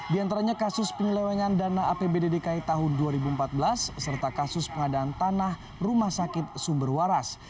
di antaranya kasus penyelewengan dana apbd dki tahun dua ribu empat belas serta kasus pengadaan tanah rumah sakit sumber waras